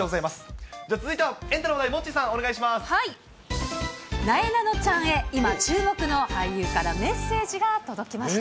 続いてはエンタの話題、なえなのちゃんへ、今注目の俳優からメッセージが届きました。